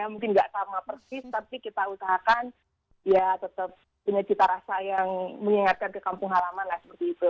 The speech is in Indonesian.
mungkin nggak sama persis tapi kita usahakan ya tetap punya cita rasa yang mengingatkan ke kampung halaman lah seperti itu